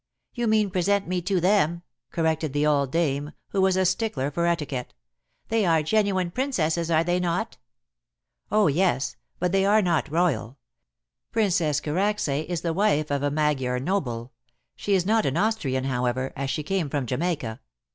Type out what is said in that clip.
"You mean present me to them," corrected the old dame, who was a stickler for etiquette. "They are genuine Princesses, are they not?" "Oh, yes. But they are not royal. Princess Karacsay is the wife of a Magyar noble. She is not an Austrian, however, as she came from Jamaica.